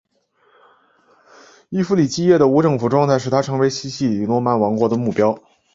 伊弗里基叶的无政府状态使它成为西西里诺曼王国的目标。